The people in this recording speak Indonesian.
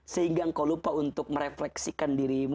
sehingga engkau lupa untuk merefleksikan dirimu